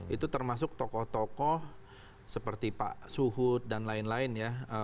itu termasuk tokoh tokoh seperti pak suhud dan lain lain ya